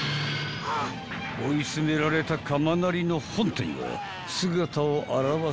［追い詰められた釜鳴りの本体は姿を現すと］